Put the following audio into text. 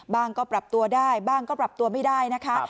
ก็ปรับตัวได้บ้างก็ปรับตัวไม่ได้นะคะ